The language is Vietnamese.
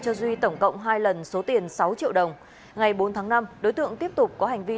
cho duy tổng cộng hai lần số tiền sáu triệu đồng ngày bốn tháng năm đối tượng tiếp tục có hành vi